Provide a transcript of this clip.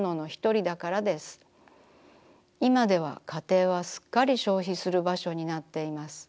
いまでは家庭はすっかり消費するばしょになっています。